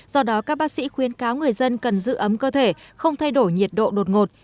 do đó các bác sĩ khuyên cáo người dân cần giữ ấm cơ thể không thay đổi nhiệt độ đột ngột